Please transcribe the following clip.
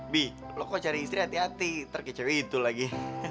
bi lo kok cari istri hati hati terkecewa gitu lagi